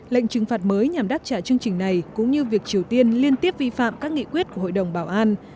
lệnh trừng phạt mới nhằm đáp trả chương trình này cũng như việc triều tiên liên tiếp vi phạm các nghị quyết của hội đồng bảo an